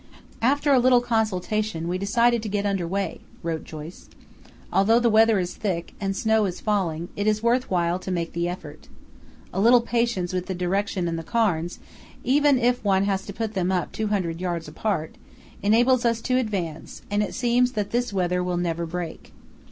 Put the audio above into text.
"After a little consultation we decided to get under way," wrote Joyce. "Although the weather is thick, and snow is falling, it is worth while to make the effort. A little patience with the direction and the cairns, even if one has to put them up 200 yds. apart, enables us to advance, and it seems that this weather will never break.